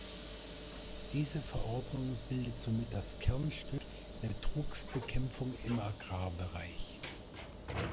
Diese Verordnung bildet somit das Kernstück der Betrugsbekämpfung im Agrarbereich.